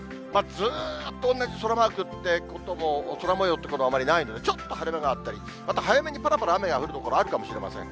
ずっと同じ空もようということはあまりないので、ちょっと晴れ間があったり、また早めに、ぱらぱら雨が降る所があるかもしれません。